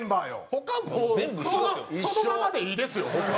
他もうそのままでいいですよ。